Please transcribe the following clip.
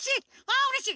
あうれしい！